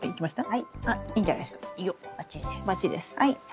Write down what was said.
はい。